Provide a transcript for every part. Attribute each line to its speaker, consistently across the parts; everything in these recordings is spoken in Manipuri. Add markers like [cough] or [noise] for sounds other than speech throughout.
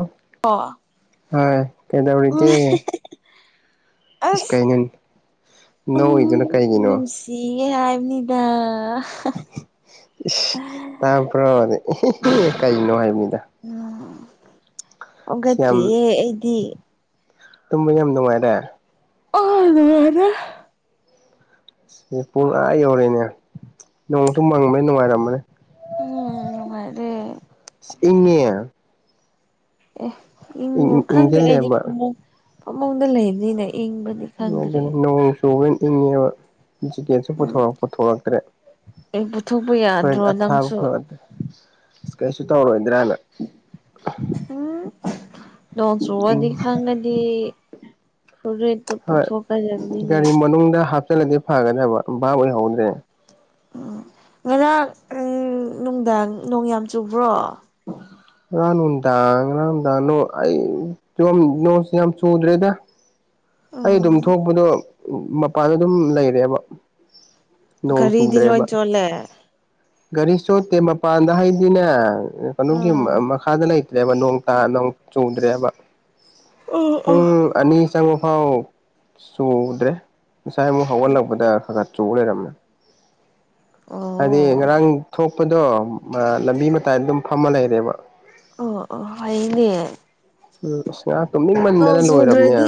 Speaker 1: ꯑꯣ
Speaker 2: ꯑꯣ
Speaker 1: ꯍꯣꯏ
Speaker 2: ꯎꯝ
Speaker 1: ꯀꯩꯗꯧꯔꯤꯒ
Speaker 2: ꯑꯁ
Speaker 1: ꯀꯩꯅꯣ ꯅꯣꯡꯒꯤꯗꯨꯅ ꯀꯩꯒꯤꯅꯣ
Speaker 2: ꯁꯤꯡꯉꯦ ꯍꯥꯏꯕꯅꯤꯗ
Speaker 1: ꯏ ꯇꯥꯕ꯭ꯔꯣ ꯀꯩꯅꯣ ꯍꯥꯏꯅꯤꯗ
Speaker 2: ꯎꯝ
Speaker 1: ꯑꯁ ꯌꯥꯝ
Speaker 2: ꯍꯧꯒꯗ꯭ꯔꯤꯌꯦ ꯑꯩꯗꯤ
Speaker 1: ꯇꯨꯝꯕ ꯌꯥꯝ ꯅꯨꯡꯉꯥꯏꯔꯦ
Speaker 2: ꯑ ꯅꯨꯡꯉꯥꯏꯔꯦ
Speaker 1: ꯁꯤ ꯄꯨꯡ ꯑꯥ ꯌꯧꯔꯦꯅꯦ ꯅꯣꯡꯁꯨ ꯃꯪꯕꯅꯦ ꯅꯨꯡꯉꯥꯏꯔꯝꯃꯅꯤ
Speaker 2: ꯎꯝ ꯅꯨꯡꯉꯥꯏꯔꯦ
Speaker 1: ꯏꯪꯉꯦ
Speaker 2: ꯑꯦ ꯏꯪꯉꯣ ꯈꯪꯗꯦ ꯑꯩꯗꯤ
Speaker 1: ꯏꯪꯁꯤꯜꯂꯦꯕ
Speaker 2: ꯐꯃꯨꯡ ꯐꯃꯨꯡꯗ ꯂꯩꯕꯅꯤꯅ ꯏꯪꯕꯗꯤ ꯈꯪꯗ꯭ꯔꯦ
Speaker 1: ꯑꯗꯨꯅꯤ ꯅꯣꯡ ꯆꯨꯗꯅꯤꯅ ꯏꯪꯉꯦꯗ ꯏꯟꯁꯤꯗꯦꯟꯁ
Speaker 2: ꯎꯝ
Speaker 1: ꯄꯨꯊꯣꯔꯛꯇ꯭ꯔꯦ
Speaker 2: ꯑꯩ ꯄꯨꯊꯣꯛꯄ
Speaker 1: ꯐꯦꯟ
Speaker 2: ꯌꯥꯗ꯭ꯔꯣ
Speaker 1: ꯑꯊꯥꯕ
Speaker 2: ꯅꯪꯁꯨ
Speaker 1: ꯄꯨꯊꯛꯇꯦ ꯀꯩꯁꯨ ꯇꯧꯔꯣ ꯏꯟ꯭ꯔꯥꯅ
Speaker 2: ꯎꯝ ꯅꫭꯡ
Speaker 1: ꯏꯪ
Speaker 2: ꯆꯨꯕꯗꯤ ꯈꯪꯉꯗꯤ ꯐꯨꯔꯤꯠ
Speaker 1: ꯍꯣꯏ ꯒꯥꯔꯤ ꯃꯅꯨꯡꯗ ꯍꯥꯞꯆꯜꯂꯗꯤ ꯐꯒꯗꯕ ꯚꯞ ꯑꯣꯏꯍꯧꯗ꯭ꯔꯦ
Speaker 2: ꯎꯝ ꯉꯔꯥꯡ ꯎꯃ ꯅꯨꯡꯗꯥꯡ ꯅꯣꯡ ꯌꯥꯝ ꯆꯨꯕ꯭ꯔꯣ
Speaker 1: ꯉꯔꯥꯡ ꯅꯨꯡꯗꯥꯡ ꯉꯔꯥꯡ ꯅꯨꯡꯗꯥꯡ ꯅꫭꯡ ꯑꯩ ꯅꯣꯁꯤ ꯌꯥꯝ ꯆꯨꯗ꯭ꯔꯦꯗ ꯑꯩ ꯑꯗꯨꯝ
Speaker 2: ꯎꯝ
Speaker 1: ꯊꯣꯛꯄꯗꯣ ꯃꯄꯥꯟꯗ ꯑꯗꯨꯝ ꯂꯩꯔꯦꯕ ꯅꯣꯡ
Speaker 2: ꯒꯥꯔꯤꯗꯤ
Speaker 1: ꯆꯨꯗ꯭ꯔꯦꯕ
Speaker 2: ꯂꯣꯏ ꯆꯣꯜꯂꯦ
Speaker 1: ꯒꯥꯔꯤ ꯆꫭꯠꯇꯦ ꯃꯄꯥꯟꯗ ꯍꯥꯏꯗꯤꯅꯦ ꯀꯩꯅꯣꯒꯤ
Speaker 2: ꯑꯣ
Speaker 1: ꯃꯈꯥꯗ ꯂꯩ ꯆꯦꯕ ꯅꯣꯡ ꯇꯥ ꯅꫭꯡ ꯆꯨꯗ꯭ꯔꯦꯕ ꯄꯨꯡ ꯑꯅꯤ ꯆꯪꯉꯨ ꯑꯥꯎ ꯆꯨꯗ꯭ꯔꯦ ꯉꯁꯥꯏ ꯑꯃꯨꯛ ꯍꯧꯒꯠꯂꯛꯄꯗ ꯈꯔ ꯈꯔ ꯆꯨ ꯂꯩꯔꯝꯃꯦ
Speaker 2: ꯑꯣ
Speaker 1: ꯍꯥꯏꯗꯤ ꯉꯔꯥꯡ ꯊꯣꯛꯄꯗꯣ ꯃ ꯂꯝꯕꯤ ꯃꯇꯥꯏ ꯑꯗꯨꯝ ꯐꯝꯃ ꯂꯩꯔꯦꯕ
Speaker 2: ꯑꯣ ꯑꯣ ꯍꯥꯏꯅꯦ
Speaker 1: ꯑꯁ ꯉꯥꯏꯥꯛ ꯇꯨꯃꯅꯤꯡ ꯃꯟꯗꯅ ꯂꯣꯏꯔꯕꯅꯦ
Speaker 2: ꯆꯨꯗ꯭ꯔꯗꯤ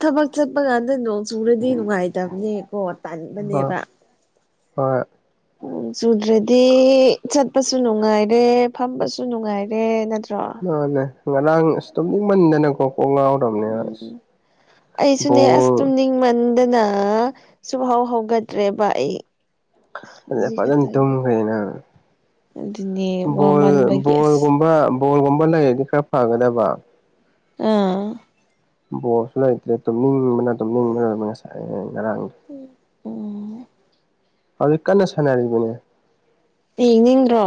Speaker 2: ꯊꯕꯛ ꯆꯠꯄ ꯀꯥꯟꯗ ꯅꯣꯡ ꯆꯨꯔꯗꯤ ꯅꯨꯡꯉꯥꯏꯇꯕꯅꯦꯀꯣ
Speaker 1: ꯍꯣꯏ
Speaker 2: ꯇꯥꯟꯕꯅꯦꯕ
Speaker 1: ꯍꯣꯏ
Speaker 2: ꯅꯣꯡ ꯆꯨꯗ꯭ꯔꯗꯤ ꯆꯠꯄꯁꯨ ꯅꯨꯡꯉꯥꯏꯔꯦ ꯐꯝꯕꯁꯨ ꯅꯨꯡꯉꯥꯏꯔꯦ ꯅꯠꯇ꯭ꯔꯣ
Speaker 1: ꯃꯥꯅꯦ ꯉꯔꯥꯡ ꯑꯁꯗꯨꯝ ꯅꯤꯡꯤꯡꯃꯟꯗꯅꯀꯣ ꯀꫭꯛ ꯉꯥꯎꯔꯝꯅꯦ ꯑꯁ
Speaker 2: ꯎꯝ
Speaker 1: ꯕꫭꯜ
Speaker 2: ꯃꯟꯗꯅ ꯁꯨꯍꯥꯎ ꯍꯧꯒꯠꯇ꯭ꯔꯦꯕ ꯑꯩ
Speaker 1: ꯑ
Speaker 2: ꯍꯧꯖꯤꯛ
Speaker 1: ꯐꯖꯅꯥ
Speaker 2: ꯈꯛꯇ
Speaker 1: ꯇꯨꯝꯈ꯭ꯔꯦꯅ ꯅꯪ
Speaker 2: ꯑꯗꯨꯅꯦ
Speaker 1: ꯕꯣꯜ
Speaker 2: ꯋꯥꯃꯟꯕꯒꯤ ꯑꯁ
Speaker 1: ꯕꯣꯜꯒꯨꯝꯕ ꯕꯣꯜꯒꯨꯝꯕ ꯂꯩꯔꯗꯤ ꯈꯔ ꯐꯒꯗꯕ
Speaker 2: ꯑꯥꯝ
Speaker 1: ꯕꯣꯜꯁꯨ ꯂꯩꯇ꯭ꯔꯦ ꯇꯨꯝꯅꯤꯡꯕꯅ ꯇꯨꯝꯅꯤꯡꯕꯅ ꯉꯁꯥꯏ ꯉꯔꯥꯡꯒꯤ
Speaker 2: ꯎꯝ
Speaker 1: ꯍꯧꯖꯤꯛ ꯀꯟꯅ ꯁꯥꯟꯅꯔꯤꯕꯅꯦ
Speaker 2: ꯌꯦꯡꯅꯤꯡꯗ꯭ꯔꯣ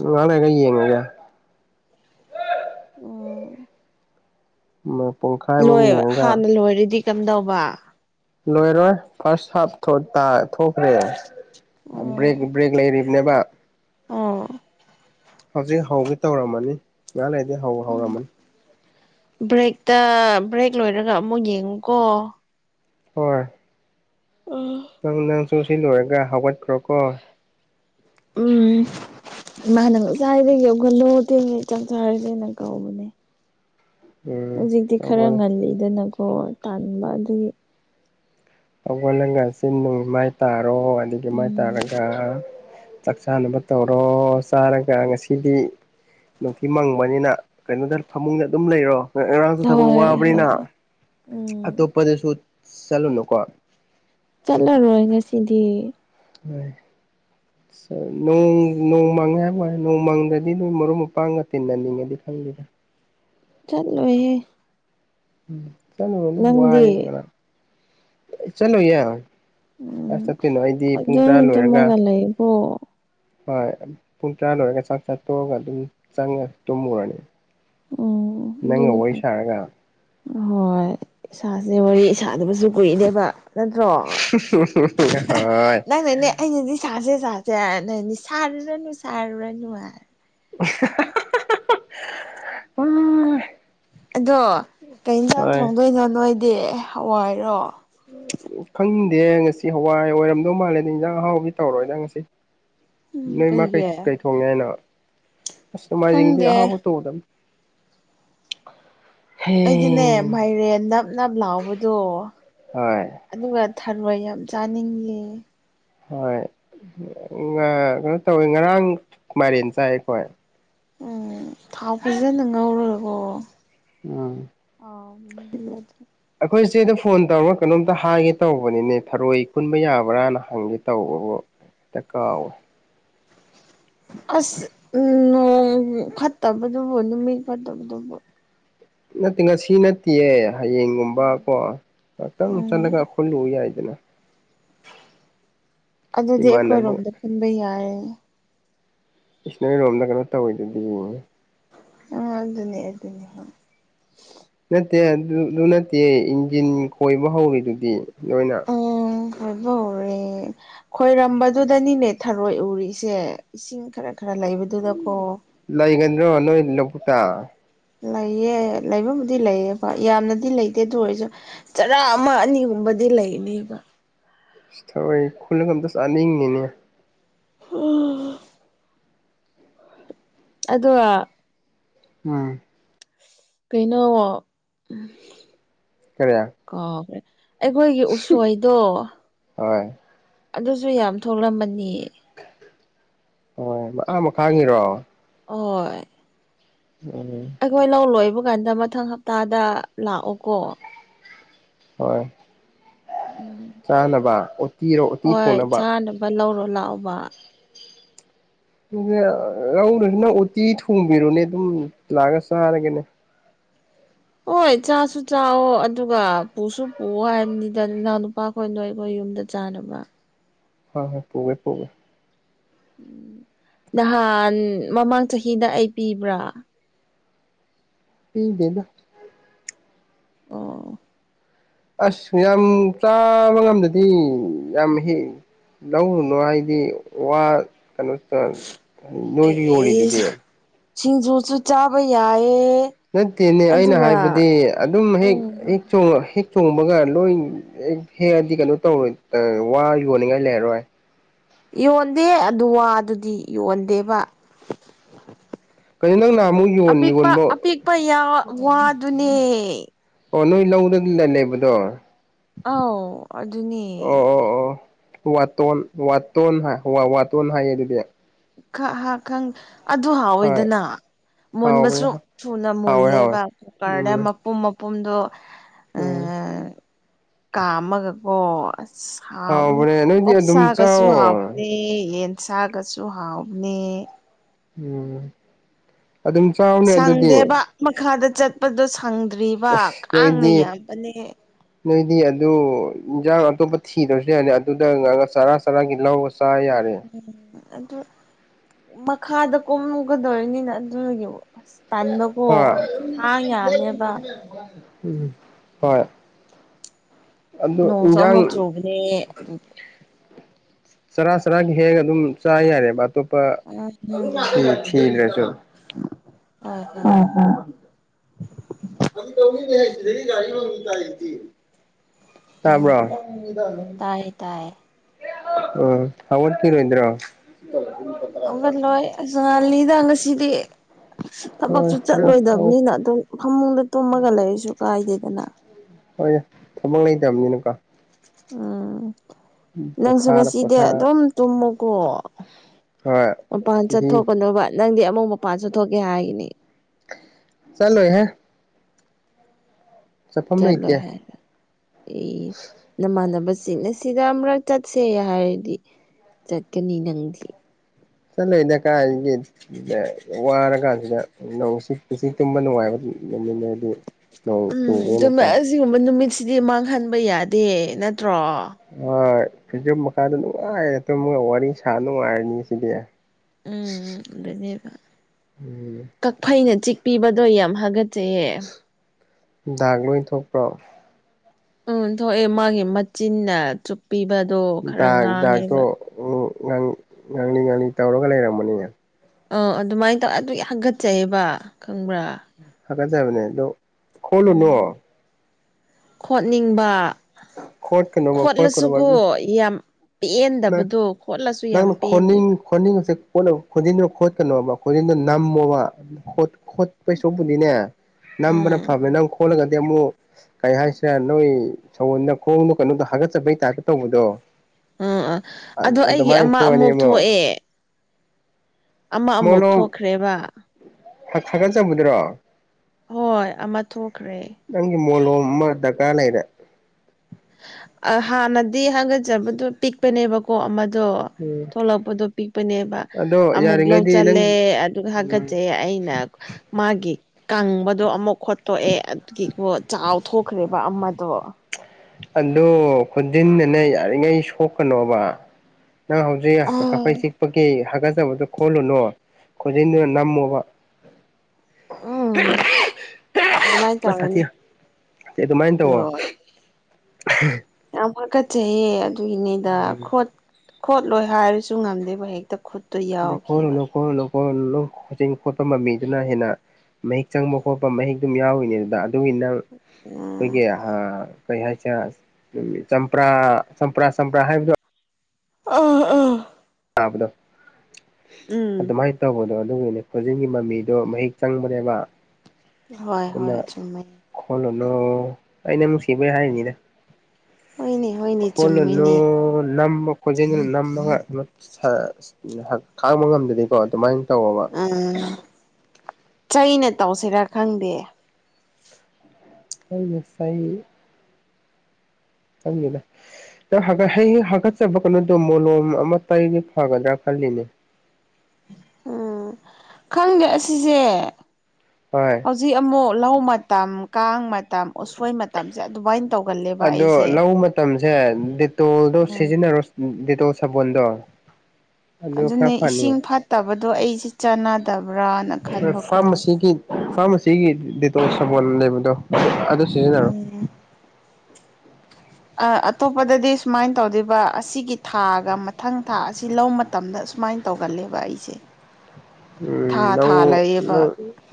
Speaker 1: ꯉꯍꯥꯀ ꯂꯩꯔꯒ ꯌꯦꯉꯒꯦ
Speaker 2: ꯎꯝ
Speaker 1: ꯃꯄꯨꯉꯈꯥꯏ
Speaker 2: ꯂꯣꯏꯕ ꯍꯥꯟꯅ ꯂꯣꯏꯔꯗꯤ ꯀꯝ ꯇꯧꯕ
Speaker 1: ꯂꯣꯏꯔꯣꯏ ꯐꯥꯔꯁ ꯍꯥꯞ ꯊꫭꯛꯇ ꯊꯣꯛꯈ꯭ꯔꯦ ꯕ꯭ꯔꯦꯛ ꯕ꯭ꯔꯦꯛ ꯂꯩꯔꯤꯕ ꯃꯤꯅꯕꯥꯕ
Speaker 2: ꯑꯥ
Speaker 1: ꯍꯧꯖꯤꯛ ꯍꯧꯒꯦ ꯇꯧꯔꯝꯃꯅꯤ ꯉꯥꯏꯍꯥꯛ ꯂꯩꯗꯤ ꯍꯧ ꯍꯧꯔꯝꯃꯅꯤ
Speaker 2: ꯕ꯭ꯔꯦꯛꯇ ꯕ꯭ꯔꯦꯛ ꯂꯣꯏꯔꯒ ꯑꯃꯨꯛ ꯌꯦꯡꯉꯨꯀꯣ
Speaker 1: ꯍꯣꯏ
Speaker 2: ꯎꯝ
Speaker 1: ꯅꯪ ꯅꯪꯁꯨ ꯁꯤ ꯂꯣꯏꯔꯒ ꯍꯧꯒꯠꯈ꯭ꯔꯣ ꯀꯣ
Speaker 2: ꯎꯝ ꯏꯃꯅ ꯉꯁꯥꯏꯗꯒꯤ ꯍꯧꯒꯠꯂꯣ ꯇꯦꯟꯉ ꯆꯥꯛ ꯆꯥꯔꯁꯦꯅ ꯀꯧꯕꯅꯦ
Speaker 1: ꯎꯝ
Speaker 2: ꯍꯧꯖꯤꯛꯇꯤ ꯈꯔ
Speaker 1: ꯍꯧꯒꯠ
Speaker 2: ꯉꯜꯂꯤꯏꯗꯅꯀꯣ ꯇꯥꯟꯕ ꯑꯗꯨꯒꯤ
Speaker 1: ꯍꯧꯒꯠꯂꯒ ꯆꯤꯟ ꯅꯨꯡ ꯃꯥꯏ ꯇꯥꯔꯣ ꯑꯗꯒꯤ ꯃꯥꯏ
Speaker 2: ꯎꯝ
Speaker 1: ꯇꯥꯔꯒ ꯆꯥꯛ ꯆꯥꯅꯕ ꯇꯧꯔꯣ ꯆꯥꯔꯒ ꯉꯁꯤꯗꯤ ꯅꯨꯡꯇꯤ ꯃꯪꯕꯅꯤꯅ ꯀꯩꯅꯣꯗ ꯐꯃꯨꯡꯗ ꯑꯗꯨꯝ ꯂꯩꯔꯣ ꯉꯔꯥꯡꯁꯨ ꯊꯕꯛ
Speaker 2: ꯍꯣꯏ
Speaker 1: ꯋꯥꯕꯅꯤꯅ
Speaker 2: ꯍꯣꯏ ꯎꯝ
Speaker 1: ꯑꯇꯣꯞꯄꯗꯁꯨ ꯆꯠꯂꯨꯅꯨꯀꯣ
Speaker 2: ꯆꯠꯂꯔꯣꯏ ꯉꯁꯤꯗꯤ
Speaker 1: [inaudible]
Speaker 2: [inaudible]
Speaker 1: ꯅꯣꯡ ꯅꯣꯡ ꯃꯪꯉꯦ ꯍꯥꯏꯕ ꯋꯥꯅꯦ ꯅꯣꯡꯃꯪꯗꯗꯤ ꯅꯣꯏ ꯃꯔꯨꯞ ꯃꯄꯥꯡꯒ ꯇꯤꯟꯅꯅꯤꯡꯉꯗꯤ ꯈꯪꯗꯦꯗ
Speaker 2: ꯆꯠꯂꯣꯏꯍꯦ
Speaker 1: ꯆꯠꯂꯨꯔꯅꯨ
Speaker 2: ꯅꯪꯗꯤ
Speaker 1: ꯋꯥꯏꯌꯦꯕ ꯉꯔꯥꯡ ꯆꯂꯣꯢꯌꯦ ꯑꯁ
Speaker 2: ꯎꯝ
Speaker 1: ꯆꯠꯇꯣꯏꯅꯣ ꯑꯩꯗꯤ ꯄꯨꯡ ꯇꯔꯥ
Speaker 2: ꯑꯗꯨꯝ
Speaker 1: ꯂꯣꯏꯔꯒ
Speaker 2: ꯇꯨꯝꯃꯒ ꯂꯩꯕꯣ
Speaker 1: ꯍꯣꯏ ꯄꯨꯡ ꯇꯔꯥ ꯂꯣꯏꯔꯒ ꯆꯥꯛ ꯆꯥ ꯇꯣꯛꯑꯒ ꯑꯗꯨꯝ ꯆꯪꯉ ꯇꯨꯝꯃꯨꯔꯅꯤ
Speaker 2: ꯎꯝ
Speaker 1: ꯅꯪꯒ
Speaker 2: ꯑꯗꯨꯅ
Speaker 1: ꯋꯥꯔꯤ
Speaker 2: ꯐꯩ
Speaker 1: ꯁꯥꯔꯒ
Speaker 2: ꯍꯣꯏ ꯁꯥꯁꯦ ꯋꯥꯔꯤ ꯁꯥꯗꯥꯕꯁꯨ ꯀꯨꯏꯔꯦꯕ ꯅꯠꯇ꯭ꯔꯣ ꯅꯪꯅꯅꯦ ꯑꯩꯅꯗꯤ ꯆꯥꯖꯦ ꯆꯥꯖꯦ ꯍꯥꯢ ꯅꯣꯢ ꯁꯥꯔꯨꯔꯅꯨ ꯁꯥꯔꯨꯔꯅꯨ
Speaker 1: [unintelligible]
Speaker 2: ꯑꯗꯣ ꯀꯩ ꯌꯦꯟꯁꯥꯡ
Speaker 1: ꯍꯣꯏ
Speaker 2: ꯊꯣꯡꯗꯣꯏꯅꯣ ꯅꯣꯏꯗꯤ ꯍꯋꯥꯏꯔꯣ
Speaker 1: ꯈꯪꯗꯦ ꯉꯁꯤ ꯍꯋꯥꯏ ꯑꯣꯏꯔꯝꯗꯧ ꯃꯥꯜꯂꯦꯗ ꯏꯟꯖꯥꯡ ꯑꯍꯥꯎꯕꯗꯤ ꯇꯧꯔꯣꯏꯗ ꯉꯁꯤ
Speaker 2: ꯎꯝ
Speaker 1: ꯅꯣꯏ ꯃꯥ
Speaker 2: ꯀꯩꯒꯤ
Speaker 1: ꯀꯩ ꯊꯣꯡꯉꯦ ꯍꯥꯏꯅ ꯑꯁ ꯅꯣꯡꯃꯥꯏꯖꯤꯡꯗꯤ
Speaker 2: ꯈꯪꯗꯦ
Speaker 1: ꯑꯍꯥꯎꯕ ꯇꯧꯗꯝꯅꯤ [inaudible]
Speaker 2: ꯑꯩꯗꯤꯅꯦ ꯃꯥꯏꯔꯦꯟ ꯅꯞ ꯅꯞ ꯂꯥꯎꯕꯗꯣ
Speaker 1: ꯍꯣꯏ
Speaker 2: ꯑꯗꯨꯒ ꯊꯔꯣꯏ ꯌꯥꯝ ꯆꯥꯅꯤꯡꯉꯦ
Speaker 1: ꯍꯣꯏ ꯀꯩꯅꯣ ꯇꯧꯋꯦ ꯉꯔꯥꯡ ꯃꯥꯏꯔꯦꯟ ꯆꯥꯏ ꯑꯩꯈꯣꯏ
Speaker 2: ꯎꯝ ꯊꯥꯎ ꯐꯖꯅ ꯉꯧꯔꯒꯀꯣ
Speaker 1: ꯑꯪ
Speaker 2: ꯍꯥꯎꯕꯅꯦ [unintelligible]
Speaker 1: ꯑꯩꯈꯣꯏ ꯆꯦꯗ ꯐꯣꯟ ꯇꯧꯔꯒ ꯀꯩꯅꯣꯝꯇ ꯍꯥꯏꯒꯦ ꯇꯧꯕꯅꯤꯅꯦ ꯊꯔꯣꯏ ꯈꯨꯟꯕ ꯌꯥꯕ꯭ꯔꯥꯅ ꯍꯪꯒꯦ ꯇꯧꯕꯕꯨ ꯍꯦꯛꯇ ꯀꯥꯎꯑꯦ
Speaker 2: ꯑꯁ ꯎꯝ ꯅꯣꯡ ꯐꯠꯇꯕꯗꯨꯕꯨ ꯅꯨꯃꯤꯠ ꯐꯠꯇꯕꯗꯨꯕꯨ
Speaker 1: ꯅꯠꯇꯦ ꯉꯁꯤ ꯅꯠꯇꯤꯌꯦ ꯍꯌꯦꯡꯒꯨꯝꯕ ꯀꯣ ꯉꯥꯛꯇꯪ
Speaker 2: ꯎꯝ
Speaker 1: ꯆꯠꯂꯒ ꯈꯨꯜꯂꯨ ꯌꯥꯏꯗꯅ
Speaker 2: ꯑꯗꯨꯗꯤ
Speaker 1: ꯏꯃꯥꯟꯅꯕ
Speaker 2: ꯑꯩꯈꯣꯏꯔꯣꯝꯗ ꯈꯟꯕ ꯌꯥꯏ
Speaker 1: ꯏꯁ ꯅꯣꯏꯔꯣꯝꯗ ꯀꯩꯅꯣ ꯇꯧꯋꯤꯗꯨꯗꯤ
Speaker 2: ꯑ ꯑꯗꯨꯅꯦ ꯑꯗꯨꯅꯦ
Speaker 1: ꯅꯠꯇꯦ ꯑꯗꯨꯗꯨ ꯅꯠꯇꯦ ꯏꯟꯖꯤꯟ ꯀꯣꯏꯕ ꯍꯧꯔꯤꯗꯨꯗꯤ ꯅꯣꯏꯅ
Speaker 2: ꯎꯝ ꯈꯣꯏꯕ ꯍꯧꯔꯦ ꯈꯣꯏꯔꯝꯕꯗꯨꯗꯅꯤꯅꯦ ꯊꯔꯣꯏ ꯎꯔꯤꯁꯦ ꯏꯁꯤꯡ ꯈꯔ ꯈꯔ ꯂꯩꯕꯗꯨꯗꯀꯣ
Speaker 1: ꯂꯩꯒꯗ꯭ꯔꯣꯅꯣꯏ ꯂꯕꯨꯛꯇ
Speaker 2: ꯂꯩꯌꯦ ꯂꯩꯕꯕꯨꯗꯤ ꯂꯩꯌꯦꯕ ꯌꯥꯝꯅꯗꯤ ꯂꯩꯇꯦ ꯗꯨ ꯑꯣꯏꯔꯁꯨ ꯆꯔꯥ ꯑꯃ ꯑꯅꯤꯒꯨꯝꯕꯗꯤ ꯂꯩꯅꯦꯕ
Speaker 1: ꯁꯤ ꯊꯔꯣꯏ ꯈꯨꯜꯂꯒ ꯑꯝꯇ ꯆꯥꯅꯤꯡꯉꯤꯅꯦ
Speaker 2: [unintelligible] ꯑꯗꯣ
Speaker 1: ꯎꯝ
Speaker 2: ꯀꯩꯅꯣ ꯎꯝ
Speaker 1: ꯀꯔꯦ
Speaker 2: ꯀꯥꯎꯈ꯭ꯔꯦ ꯑꯩꯈꯣꯏꯒꯤ ꯎꯁꯣꯏꯗꯣ
Speaker 1: ꯍꯣꯏ
Speaker 2: ꯑꯗꯨꯁꯨ ꯌꯥꯝ ꯊꯣꯛꯂꯝꯃꯅꯤ
Speaker 1: ꯍꯣꯏ ꯑꯥ ꯃꯈꯥꯒꯤꯔꯣ
Speaker 2: ꯑꯣꯏ
Speaker 1: ꯎꯝ
Speaker 2: ꯑꯩꯈꯣꯏ ꯂꯧ ꯂꯣꯏꯕꯀꯥꯟꯗ ꯃꯊꯪ ꯍꯞꯇꯥꯗ ꯂꯥꯛꯑꯣꯀꯣ
Speaker 1: ꯍꯣꯏ
Speaker 2: ꯎꯝ
Speaker 1: ꯆꯥꯅꯕ ꯎꯇꯤꯔꯣ ꯎꯇꯤ
Speaker 2: ꯍꯣꯏ
Speaker 1: ꯊꯣꯡꯅꯕ
Speaker 2: ꯆꯥꯅꯕ ꯂꯧꯔꯣ ꯂꯥꯛꯑꯣꯕ
Speaker 1: ꯗꯨꯗꯤ ꯂꯧꯗ꯭ꯔꯁꯨ ꯅꯪ ꯎꯇꯤ ꯊꯣꯡꯕꯤꯔꯣꯅꯦ ꯑꯗꯨꯝ ꯂꯥꯛꯑꯒ ꯆꯥꯔꯒꯦꯅꯦ
Speaker 2: ꯍꯣꯏ ꯆꯥꯁꯨ ꯆꯥꯑꯣ ꯑꯗꯨꯒ ꯄꯨꯁꯨ ꯄꯨꯑꯣ ꯍꯥꯏꯅꯤꯗ ꯅꯅꯥꯎ ꯅꯨꯄꯥ ꯈꯣꯏ ꯅꯣꯏ ꯈꯣꯏ ꯌꯨꯝꯗ ꯆꯥꯟꯅꯕ
Speaker 1: ꯍꯣꯏ ꯍꯣꯏ ꯄꯨꯒꯦ ꯄꯨꯒꯦ
Speaker 2: ꯅꯍꯥꯟ ꯃꯃꯥꯡ ꯆꯍꯤꯗ ꯑꯩ ꯄꯤꯕ꯭ꯔꯥ
Speaker 1: ꯄꯤꯗꯦꯗ
Speaker 2: ꯑꯣ
Speaker 1: ꯑꯁ ꯌꯥꯝ ꯆꯥꯕ ꯉꯝꯗꯗꯤ ꯌꯥꯝ ꯍꯦꯛ ꯂꯧꯔꯨꯅꯨ ꯍꯥꯏꯗꯤ ꯋꯥ ꯀꯩꯅꯣꯇ ꯅꯣꯏꯁꯨ
Speaker 2: ꯑꯦ
Speaker 1: ꯌꯣꯜꯂꯤꯗꯨꯗꯤ
Speaker 2: ꯁꯤꯡꯖꯨꯁꯨ ꯆꯥꯕ ꯌꯥꯏꯑꯦ
Speaker 1: ꯅꯠꯇꯦꯅꯦ ꯑꯩꯅ ꯍꯥꯏꯕꯗꯤ ꯑꯗꯨꯝ
Speaker 2: ꯎꯝ
Speaker 1: ꯍꯦꯛ ꯆꯣꯡ ꯍꯦꯛ ꯆꯣꯡꯕꯒ ꯂꯣꯏ ꯑꯦ ꯍꯦꯛꯑꯗꯤ ꯀꯩꯅꯣ ꯇꯧꯔꯣꯏ ꯋꯥ ꯌꯣꯟꯅꯤꯡꯉꯥꯏ ꯂꯩꯔꯔꯣꯏ
Speaker 2: ꯌꯣꯟꯗꯦ ꯑꯗꯨ ꯋꯥꯗꯨꯗꯤ ꯌꯣꯟꯗꯦꯕ
Speaker 1: ꯀꯩꯅꯣ ꯅꯪ ꯅꯍꯥꯟꯃꯨꯛ ꯌꯣꯟ
Speaker 2: ꯑꯄꯤꯛꯄ
Speaker 1: ꯌꯣꯟꯕ
Speaker 2: ꯑꯄꯤꯛꯄ ꯌꯥꯎ ꯋꯥꯗꯨꯅꯦ
Speaker 1: ꯑꯣ ꯅꯣꯏ ꯂꯧꯗ ꯂꯂꯩꯕꯗꯣ
Speaker 2: ꯑꯥꯎ ꯑꯗꯨꯅꯦ
Speaker 1: ꯑꯣ ꯑꯣ ꯋꯥꯇꯣꯟ ꯋꯥꯇꯣꯟ ꯍꯥꯏ ꯋꯥ ꯋꯥꯇꯣꯟ ꯍꯥꯏꯌꯦ ꯑꯗꯨꯗꯤ
Speaker 2: ꯈ ꯍꯥꯥ ꯈꯪ ꯑꯗꯨ
Speaker 1: ꯍꯣꯏ
Speaker 2: ꯍꯥꯎꯋꯤꯗꯅ
Speaker 1: ꯍꯥꯎꯕꯅꯦ
Speaker 2: ꯃꯨꯟꯕꯁꯨ ꯊꯨꯅ
Speaker 1: ꯍꯥꯎꯋꯦ ꯍꯥꯎꯋꯦ
Speaker 2: ꯃꯨꯜꯂꯦꯕ ꯀꯨꯀꯔꯗ
Speaker 1: ꯎꯝ
Speaker 2: ꯃꯄꯨꯝ ꯃꯄꯨꯝꯗꯣ
Speaker 1: ꯎꯝ
Speaker 2: ꯀꯥꯝꯃꯒꯀꯣ ꯑꯁ ꯍꯥꯎꯕꯅꯦ
Speaker 1: ꯅꯣꯏꯗꯤ ꯑꯗꯨꯝ
Speaker 2: ꯑꯣꯛꯁꯥꯒꯁꯨ
Speaker 1: ꯆꯥꯎꯋꯣ
Speaker 2: ꯍꯥꯎꯕꯅꯦ ꯌꯦꯟ ꯁꯥꯒꯁꯨ ꯍꯥꯎꯕꯅꯦ
Speaker 1: ꯎꯝ ꯑꯗꯨꯝ ꯆꯥ
Speaker 2: ꯁꯪꯗꯦꯕ ꯃꯈꯥꯗ ꯆꯠꯄꯗꯣ ꯁꯪꯗ꯭ꯔꯤꯕ ꯀꯥꯡꯅ
Speaker 1: ꯅꯣꯏꯗꯤ
Speaker 2: ꯌꯥꯝꯕꯅꯦ
Speaker 1: ꯅꯣꯏꯗꯤ ꯑꯗꯨ ꯏꯟꯖꯥꯡ ꯑꯇꯣꯞꯄ ꯊꯤꯗ꯭ꯔꯁꯨ ꯌꯥꯅꯤ ꯑꯗꯨꯗ ꯉ ꯆꯔꯥ ꯆꯔꯥꯒꯤ ꯂꯧꯕ ꯆꯥ ꯌꯥꯔꯦ
Speaker 2: ꯎꯝ ꯑꯗꯨ ꯃꯈꯥꯗ ꯀꯣꯝꯒꯗꯣꯏꯅꯤꯅ ꯑꯗꯨꯒꯤꯕꯣ ꯑꯁ ꯇꯟꯕꯀꯣ
Speaker 1: ꯍꯥ
Speaker 2: ꯀꯥꯡ ꯌꯥꯝꯃꯦꯕ
Speaker 1: ꯎꯝ ꯍꯣꯏ ꯑꯗꯨ
Speaker 2: ꯅꯣꯡꯁꯨ ꯑꯃꯨꯛ
Speaker 1: ꯏꯟꯖꯥꯡ
Speaker 2: ꯆꯨꯕꯅꯦ
Speaker 1: ꯆꯔꯥ ꯆꯔꯥꯒꯤ ꯍꯦꯛꯑꯥ ꯑꯗꯨꯝ ꯆꯥꯕ ꯌꯥꯔꯦꯕ ꯑꯇꯣꯞꯄ
Speaker 2: ꯎꯝ ꯌꯥꯏ
Speaker 1: ꯊꯤꯗꯔ꯭ꯁꯨ
Speaker 2: ꯍꯣꯏ ꯍꯣꯏ
Speaker 1: [unintelligible]
Speaker 2: ꯎꯝ ꯇꯥꯏꯌꯦ ꯇꯥꯏꯌꯦ
Speaker 1: ꯑꯣ ꯍꯧꯒꯠꯈꯤꯔꯣꯏꯗ꯭ꯔꯣ [unintelligible]
Speaker 2: ꯑꯣꯒꯠꯂꯣꯏ ꯉꯜꯂꯤꯗ ꯉꯁꯤꯗꯤ
Speaker 1: ꯍꯣꯏ
Speaker 2: ꯊꯕꯛꯁꯨ
Speaker 1: ꯍꯧꯒꯠ ꯍꯧꯒꯠ
Speaker 2: ꯆꯠꯂꯣꯏꯗꯕꯅꯤꯅ ꯑꯗꯨꯝ ꯐꯃꯨꯡꯗ ꯇꯨꯝꯃꯒ ꯂꯩꯔꯁꯨ ꯀꯥꯏꯗꯦꯗꯅ
Speaker 1: ꯍꯣꯏ ꯊꯕꯛ ꯂꯩꯇꯕꯅꯤꯅꯀꯣ
Speaker 2: ꯎꯝ ꯅꯪꯁꯨ
Speaker 1: ꯄꯣꯊꯥꯔ
Speaker 2: ꯉꯁꯤꯗꯤ
Speaker 1: ꯄꯣꯊꯥꯔ
Speaker 2: ꯑꯗꯨꯝ ꯇꯨꯝꯃꯨꯀꯣ
Speaker 1: ꯍꯣꯏ
Speaker 2: ꯃꯄꯥꯟ
Speaker 1: ꯑꯗꯨ
Speaker 2: ꯆꯠꯊꯣꯛꯀꯅꯣꯕ ꯅꯪꯗꯤ ꯑꯃꯨꯛ ꯃꯄꯥꯟ ꯆꯠꯊꯣꯛꯀꯦ ꯍꯥꯏꯒꯅꯤ
Speaker 1: ꯆꯠꯂꯣꯏꯍꯦ ꯆꯠꯐꯝ ꯂꯩꯇꯦ
Speaker 2: ꯑꯦ ꯅꯃꯥꯟꯅꯅꯕ ꯑꯁꯤ ꯁꯤꯗ ꯑꯃꯛ ꯆꯠꯁꯦ ꯍꯥꯏꯔꯗꯤ ꯆꯠꯀꯅꯤ ꯅꯪꯗꯤ
Speaker 1: ꯆꯂꯣ ꯏꯗ ꯀꯥꯏꯒꯦ ꯗ ꯋꯥꯔꯀꯥꯟꯁꯤꯗꯁꯤ ꯄꯨꯁꯤ ꯇꯨꯝꯕ ꯅꯨꯡꯉꯥꯏꯕ ꯉꯃꯤꯟꯅꯗꯤ
Speaker 2: ꯎꯝ ꯑꯗꯨ ꯑꯁꯤꯒꯨꯝꯕ ꯅꯨꯃꯤꯠꯁꯤꯗꯤ ꯃꯥꯡꯍꯟꯕ ꯌꯥꯗꯦ ꯅꯠꯇ꯭ꯔꯣ
Speaker 1: ꯍꯣꯏ ꯐꯤꯖꯣꯝ ꯃꯈꯥꯗ ꯅꯨꯡꯉꯥꯏꯔ ꯑꯗꯨꯒ ꯋꯥꯔꯤ ꯁꯥ ꯅꯨꯡꯉꯥꯏꯔꯅꯤ ꯁꯤꯗꯤ
Speaker 2: ꯎꯝ ꯑꯗꯨꯅꯦꯕ
Speaker 1: ꯎꯝ
Speaker 2: ꯀꯛꯐꯩꯅ ꯆꯤꯛꯄꯤꯕꯗꯣ ꯌꯥꯝ ꯍꯥꯒꯠꯆꯩꯌꯦ
Speaker 1: ꯗꯥꯛ ꯂꯣꯏ ꯊꯣꯛꯄ꯭ꯔꯣ
Speaker 2: ꯎꯝ ꯊꯣꯛꯑꯦ ꯃꯥꯒꯤ ꯃꯆꯤꯟꯅ ꯆꯨꯞꯄꯤꯕꯗꯣ ꯈꯔ ꯉꯥꯡꯉꯦꯕ
Speaker 1: ꯑꯣ ꯉꯂꯤ ꯉꯥꯡꯂꯤ ꯇꯧꯔꯒ ꯂꯩꯔꯝꯕꯅꯦ
Speaker 2: ꯑꯥ ꯑꯗꯨꯃꯥꯏꯅ ꯇꯧꯔ ꯑꯗꯨ ꯍꯥꯒꯠꯆꯩꯑꯕ ꯈꯪꯕ꯭ꯔꯥ
Speaker 1: ꯍꯒꯠ ꯆꯕꯅꯦꯗꯣ ꯀꯣꯂꯣꯅꯣ
Speaker 2: ꯎꯝ ꯈꯣꯠꯅꯤꯡꯕ
Speaker 1: ꯈꯣꯠꯀꯅꯨꯕ ꯈꯣꯠꯀꯅꯨꯕ
Speaker 2: ꯈꯣꯠꯂꯁꯨꯀꯣ
Speaker 1: ꯅꯪ
Speaker 2: ꯌꯥꯝ ꯄꯦꯟꯗꯕꯗꯣ ꯈꯣꯠꯂꯁꯨ ꯌꯥꯝ ꯄꯦꯟꯗꯦꯕ
Speaker 1: ꯈꯣꯟꯗꯤꯕꯁꯦ ꯀꯣꯠꯂ ꯈꯨꯗꯤꯟꯗꯣ ꯈꯣꯠꯀꯅꯣꯕ ꯈ ꯈꯨꯗꯤꯟꯗꯣ ꯅꯝꯃꯣꯕꯣꯠ ꯈꯣꯠꯄꯩꯁꯨꯕꯨꯗꯤꯅꯦ ꯅꯝꯕꯅ
Speaker 2: ꯎꯝ
Speaker 1: ꯐꯕꯅꯦ ꯅꯪ ꯈꯣꯠꯂꯒꯗꯤ ꯑꯃꯨꯛ ꯀꯩ ꯍꯥꯏꯁꯤꯔꯥ ꯅꯣꯏ ꯁꯒꯣꯟꯗ ꯈꯣꯡꯗꯣ ꯀꯩꯅꯣꯗꯣ ꯍꯥꯒꯠꯆꯕꯩ ꯇꯥꯏꯞꯇ ꯇꯧꯕꯗꯣ
Speaker 2: ꯎꯝ ꯎꯥ ꯑꯗꯣ ꯑꯩꯒꯤ
Speaker 1: ꯑꯗꯨꯃꯥꯏꯅ
Speaker 2: ꯑꯃ
Speaker 1: ꯊꯣꯛꯑꯅꯤ
Speaker 2: ꯑꯃꯨꯛ ꯊꯣꯛꯑꯦ ꯑꯃ ꯑꯃꯨꯛ ꯊꯣꯛꯈ꯭ꯔꯦꯕ
Speaker 1: ꯐꯒꯠ ꯆꯝꯃꯨꯗꯔꯣ
Speaker 2: ꯍꯣꯏ ꯑꯃ ꯊꯣꯛꯈ꯭ꯔꯦ
Speaker 1: ꯅꯪꯒꯤ ꯃꯣꯂꯣꯝ ꯑꯃ ꯗꯔꯀꯥꯔ ꯂꯩꯔꯦ
Speaker 2: ꯍꯥꯟꯅꯗꯤ ꯍꯪꯒꯠꯆꯕꯗꯣ ꯄꯤꯛꯄꯅꯦꯕꯀꯣ ꯑꯃꯗꯣ ꯊꯣꯛꯂꯛꯄꯗꯣ ꯄꯤꯛꯄꯅꯦꯕ
Speaker 1: ꯑꯗꯣ
Speaker 2: ꯑꯃꯨꯛ ꯂꯧ
Speaker 1: ꯌꯥꯔꯤꯉꯩꯗꯤ
Speaker 2: ꯆꯜꯂꯦ
Speaker 1: ꯅꯪ
Speaker 2: ꯑꯗꯨꯒ ꯍꯥꯀꯠꯆꯦ ꯑꯩꯅ ꯃꯥꯒꯤ ꯀꯪꯕꯗꯣ ꯑꯃꯨꯛ ꯈꯣꯠꯇꯣꯛꯑꯦ ꯑꯗꯨꯗꯒꯤꯀꯣ ꯆꯥꯎꯊꯣꯛꯈ꯭ꯔꯦꯕ ꯑꯃꯗꯣ
Speaker 1: ꯑꯗꯣ ꯈꯨꯖꯤꯟꯅꯅꯦ ꯌꯥꯔꯤꯉꯩ ꯁꯣꯛꯀꯅꯣꯕ ꯅꯪ ꯍꯧꯖꯤꯛ
Speaker 2: ꯑ
Speaker 1: ꯀꯐꯩ ꯆꯤꯛꯄꯒꯤ ꯍꯥꯒꯠꯆꯕꯗꯨꯣ ꯈꯣꯜꯂꯨꯅꯣ ꯈꯣꯖꯤꯤꯟꯗꯨꯅ ꯅꯝꯃꯣꯕ
Speaker 2: ꯎꯝ ꯑꯗꯨꯃꯥꯏꯅ
Speaker 1: ꯑꯁ
Speaker 2: ꯇꯧꯔꯅꯤ
Speaker 1: ꯁꯥꯊꯤ
Speaker 2: ꯍꯣꯏ
Speaker 1: ꯎ [unintelligible]
Speaker 2: ꯌꯥꯝ ꯑꯃꯛ ꯀꯠꯆꯩꯌꯦ ꯑꯗꯨꯒꯤꯅꯦꯗꯠ
Speaker 1: ꯎꯝ
Speaker 2: ꯈꯣꯠꯂꯣꯏ ꯍꯥꯏꯔꯁꯨ ꯉꯝꯗꯦꯕ ꯍꯦꯛꯇ ꯈꯨꯠ
Speaker 1: ꯀꯣꯣꯂꯣ ꯀꯣꯂꯣ ꯣꯟ ꯈꯣꯠꯆꯤꯟ ꯈꯣꯠꯄ ꯃꯃꯤꯗꯨꯅ ꯍꯦꯟꯅ ꯃꯍꯤꯛ ꯆꯪꯕ ꯈꯣꯠꯄ ꯃꯍꯤ ꯑꯗꯨꯝ ꯌꯥꯎꯔꯤꯅꯦ ꯑꯗꯨꯗ ꯑꯗꯨ ꯏꯟꯅ ꯑꯩꯈꯣꯏꯒꯤ
Speaker 2: ꯎꯝ
Speaker 1: ꯀꯩ ꯍꯥꯏꯁꯦ ꯆꯄ ꯆꯄ ꯆꯄ ꯍꯥꯏꯕꯗ
Speaker 2: ꯎꯝ ꯎꯝ
Speaker 1: ꯇꯥꯕꯗꯣ
Speaker 2: ꯎꯝ
Speaker 1: ꯑꯗꯨꯃꯥꯏ ꯇꯧꯕꯗꯣ ꯑꯗꯨꯒꯤꯅꯦ ꯈꯨꯖꯤꯟꯒꯤ ꯃꯃꯤꯗꯣ ꯃꯍꯤꯛ ꯆꯪꯕꯅꯦꯕ
Speaker 2: ꯍꯣꯏ ꯍꯣꯏ ꯆꯨꯝꯃꯥꯏ
Speaker 1: ꯈꯣꯜꯂꯣꯅꯣ ꯑꯩꯅ ꯅꯨꯡꯁꯤꯕꯩ ꯍꯥꯏꯅꯤꯗ
Speaker 2: ꯍꯅꯦ
Speaker 1: ꯐꯣꯂꯅ ꯅ ꯈꯣꯟꯖꯦꯜꯗꯨꯅ ꯅꯝꯃꯒ ꯑꯗꯨ ꯈꯥꯡꯕ ꯉꯝꯗꯗꯤꯀꯣ ꯑꯗꯨꯃꯥꯏꯅ ꯇꯧꯋꯣꯕ
Speaker 2: ꯎꯝ ꯆꯩꯩꯅ ꯇꯧꯁꯤꯔꯥ ꯈꯪꯗꯦ
Speaker 1: ꯑꯩ ꯕꯁꯥꯏ ꯊꯪꯅꯤꯅ ꯍꯌꯦ ꯍꯥꯀꯠꯆꯕ ꯀꯩꯅꯣꯗꯣ ꯃꯣꯂꯣꯝ ꯑꯃꯇꯗꯤ ꯐꯒꯗ꯭ꯔꯥ ꯈꯜꯂꯤꯅꯦ
Speaker 2: ꯎꯝ ꯈꯪꯗꯦ ꯑꯁꯤꯁꯦ
Speaker 1: ꯍꯣꯏ
Speaker 2: ꯍꯧꯖꯤꯛ ꯑꯃꯨꯛ ꯂꯧ ꯃꯇꯝ ꯀꯥꯡ ꯃꯇꯝ ꯎꯁꯣꯏ ꯃꯇꯝꯁꯦ ꯑꯗꯨꯃꯥꯏꯅ ꯇꯧꯒꯜꯂꯦꯕ
Speaker 1: ꯑꯗꯣ
Speaker 2: ꯑꯩꯁꯦ
Speaker 1: ꯂꯧ ꯃꯇꯝꯁꯦ ꯗꯤꯦꯇꯣꯜꯗꯣ
Speaker 2: ꯎꯝ
Speaker 1: ꯁꯤꯖꯤꯟꯅꯔꯣ ꯗꯤꯇꯣꯜ ꯁꯥꯕꯣꯟꯗꯣ ꯑꯗꯨ ꯈꯔ
Speaker 2: ꯑꯗꯨꯅꯦ
Speaker 1: ꯐꯅꯤ
Speaker 2: ꯏꯁꯤꯡ ꯐꯠꯇꯕꯗꯣ ꯑꯩꯁꯦ ꯆꯥꯟꯅꯗꯕ꯭ꯔꯥ
Speaker 1: ꯍꯣꯏ ꯐꯥꯔꯃꯥꯁꯤꯒꯤ ꯐꯥꯔꯃꯥꯁꯤꯒꯤ ꯗꯗꯤꯇꯣ ꯁꯥꯕꯣꯣꯟ ꯂꯩꯕꯗꯣ ꯑꯗꯨ ꯁꯤꯖꯤꯟꯅꯔꯣ
Speaker 2: ꯎꯝ ꯑꯇꯣꯞꯄꯗꯗꯤ ꯁꯨꯃꯥꯏꯅ ꯇꯧꯗꯣꯏꯕ ꯑꯁꯤꯒꯤ ꯊꯥꯒ ꯃꯊꯪ ꯊꯥ ꯑꯁꯤ ꯂꯧ ꯃꯇꯝꯗ ꯁꯨꯃꯥꯏꯅ ꯇꯧꯒꯜꯂꯦꯕ ꯑꯩꯁꯦ ꯊꯥ
Speaker 1: ꯎꯝ
Speaker 2: ꯊꯥ
Speaker 1: ꯅ
Speaker 2: ꯂꯩꯌꯦꯕ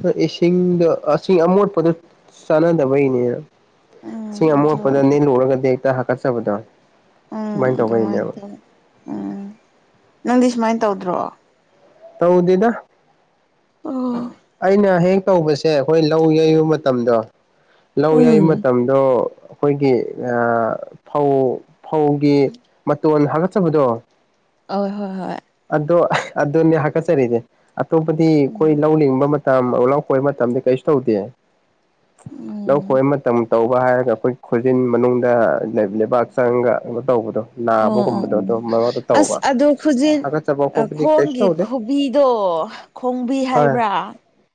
Speaker 1: ꯍꯣꯏ ꯏꯁꯤꯡꯗꯣ ꯏꯁꯤꯡ ꯑꯃꯣꯠꯄꯗ ꯆꯥꯟꯅꯗꯕꯩꯅꯦꯅ
Speaker 2: ꯎꯝ
Speaker 1: ꯁꯤꯡ
Speaker 2: ꯑꯗꯨ
Speaker 1: ꯑꯃ‌ꯣꯠꯄꯗꯅ‌ꯦ ꯂꯨꯔꯒꯗꯤ ꯍꯦꯛꯇ ꯍꯥꯀꯠꯆꯕꯗꯣ
Speaker 2: ꯎꯝ ꯑꯗꯨꯃꯥꯏꯅ ꯇꯧꯋ ꯎꯝ ꯅꯪꯗꯤ ꯁꯨꯃꯥꯏꯅ ꯇꯧꯗ꯭ꯔꯣ
Speaker 1: ꯇꯧꯗꯗ
Speaker 2: ꯎꯝ
Speaker 1: ꯑꯩꯅ ꯍꯦꯛ ꯇꯧꯕꯁꯦ ꯑꯩꯈꯣꯏ ꯂꯧ ꯌꯩꯕ ꯃꯇꯝꯗꯣ ꯂꯧ ꯌꯩꯕ
Speaker 2: ꯍꯣꯏ
Speaker 1: ꯃꯇꯝꯗ ꯑꯗꯣ ꯑꯩꯈꯣꯏꯒꯤ ꯐꯧ ꯐꯧꯒꯤ ꯃꯇꯣꯟ ꯍ ꯕꯨꯗꯣ
Speaker 2: ꯍ ꯍꯣꯏ ꯍꯣꯏ
Speaker 1: ꯑꯗꯣ ꯑꯗꯨꯅꯦ ꯍꯥꯀꯠꯆꯔꯤꯅꯦ ꯑꯇꯣꯞꯄꯗꯤ ꯑꯩꯈꯣꯏ
Speaker 2: ꯎꯝ
Speaker 1: ꯂꯧ ꯂꯤꯡꯕ ꯃꯇꯝ ꯑꯣꯂꯛꯄꯩ ꯃꯇꯝꯗ ꯀꯩꯁꯨ ꯇꯧꯗꯦ
Speaker 2: ꯎꯝ
Speaker 1: ꯂꯧ ꯈꯣꯏꯕ ꯃꯇꯝ ꯇꯧꯕ ꯍꯥꯏꯔꯒ ꯑꯩꯈꯣꯏ ꯈꯣꯏꯖꯤꯟ ꯃꯅꯨꯡꯗ ꯂꯩꯕꯥꯛ ꯆꯪꯒ ꯀ ꯇꯧꯕꯗꯣ
Speaker 2: ꯑꯣ
Speaker 1: ꯅꯥꯕꯒꯨꯝꯕꯗꯣ ꯑꯗꯨ ꯃꯔꯛ ꯃꯔꯛ ꯇ ꯇꯧꯕ
Speaker 2: ꯖꯤ
Speaker 1: ꯍꯥꯀꯠꯆꯕ ꯈꯣꯠꯄꯗꯤ ꯀꯩꯁꯨ
Speaker 2: ꯈꯣꯡꯒꯤ
Speaker 1: ꯇꯧꯗꯦ
Speaker 2: ꯈꯨꯣꯕꯤꯗꯣ ꯈꯣꯡꯕꯤ
Speaker 1: ꯍꯣꯏ
Speaker 2: ꯍꯥꯏꯕ꯭ꯔꯥ